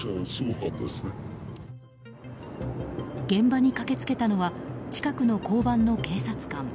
現場に駆け付けたのは近くの交番の警察官。